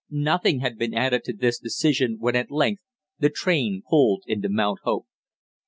Nothing had been added to this decision when at length the train pulled into Mount Hope.